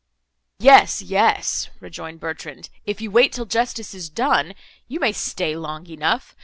"Yes, yes," rejoined Bertrand, "if you wait till justice is done you—you may stay long enough.